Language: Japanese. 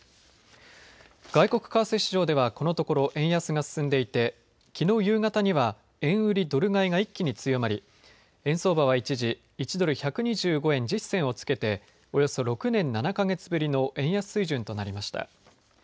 外国為替市場では、このところ円安が進んでいてきのう夕方には円売りドル買いが一気に強まり円相場は一時、１ドル１２５円１０銭をつけておよそ６年７か月ぶりの円安水準となりました。